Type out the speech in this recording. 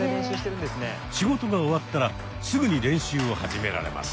仕事が終わったらすぐに練習を始められます。